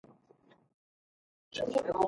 For most of the way it is a two-lane road.